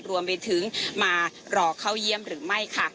รวมไปถึงมารอเข้าเยี่ยมหรือไม่ค่ะ